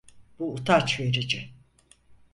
Bu utanç verici!